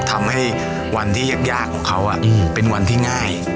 ทำให้วันที่ยากของเขาเป็นวันที่ง่าย